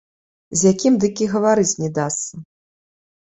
З якім дык і гаварыць не дасца.